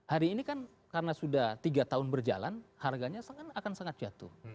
hari ini kan karena sudah tiga tahun berjalan harganya akan sangat jatuh